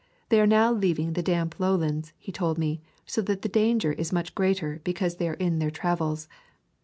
They are now leaving the damp low lands, he told me, so that the danger is much greater because they are on their travels.